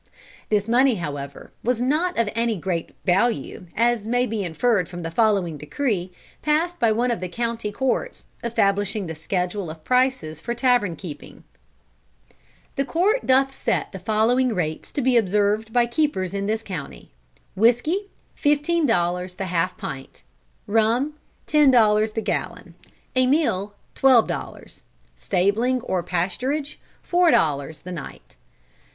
This money, however, was not of any very great value, as may be inferred from the following decree, passed by one of the County Courts, establishing the schedule of prices for tavern keeping: "The Court doth set the following rates to be observed by keepers in this county: Whiskey, fifteen dollars the half pint; rum, ten dollars the gallon; a meal, twelve dollars; stabling or pasturage, four dollars the night."